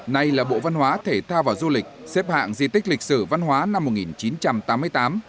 nay là bộ văn hóa thể thao và du lịch xếp hạng di tích lịch sử văn hóa năm một nghìn chín trăm tám mươi tám